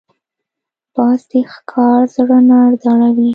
باز د ښکار زړه نه ډاروي